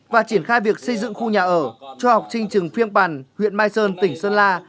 và triển khai việc xây dựng khu nhà ở cho học sinh trường phiêng bàn huyện mai sơn tỉnh sơn la